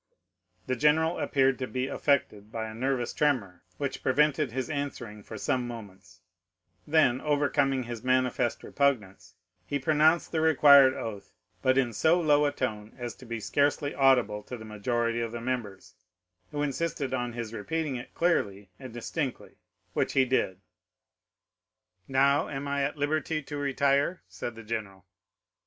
'" The general appeared to be affected by a nervous tremor, which prevented his answering for some moments; then, overcoming his manifest repugnance, he pronounced the required oath, but in so low a tone as to be scarcely audible to the majority of the members, who insisted on his repeating it clearly and distinctly, which he did. "'"Now am I at liberty to retire?" said the general.